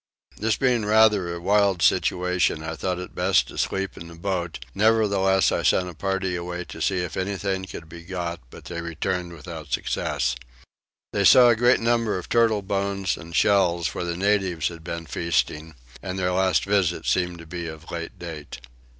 This being rather a wild situation I thought it best to sleep in the boat: nevertheless I sent a party away to see if anything could be got, but they returned without success. They saw a great number of turtle bones and shells where the natives had been feasting, and their last visit seemed to be of late date.